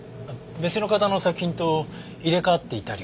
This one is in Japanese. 別の方の作品と入れ替わっていたりは？